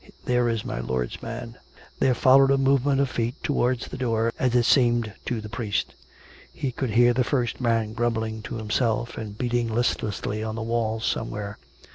" There is my lord's man " There followed a movement of feet towards the door, as it seemed to the priest. He could hear the first man grumbling to himself, and beating listlessly on the walls somewhere.